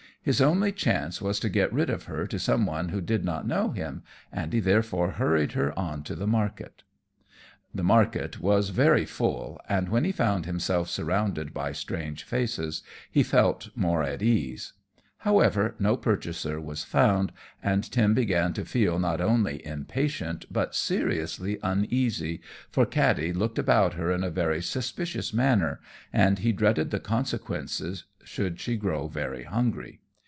His only chance was to get rid of her to some one who did not know him, and he therefore hurried her on to the market. The market was very full, and, when he found himself surrounded by strange faces, he felt more at ease; however, no purchaser was found, and Tim began to feel not only impatient, but seriously uneasy, for Katty looked about her in a very suspicious manner, and he dreaded the consequences should she grow very hungry.